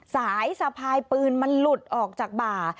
สะพายปืนมันหลุดออกจากบ่า